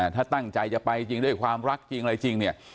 ถ้าตั้งใจจะไปจริงด้วยความรักจริงอะไรจริงเนี่ย